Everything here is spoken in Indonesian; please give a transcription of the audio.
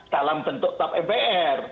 dalam bentuk tap mpr